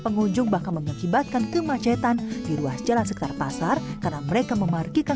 pengunjung bahkan mengakibatkan kemacetan di ruas jalan sekitar pasar karena mereka memarkirkan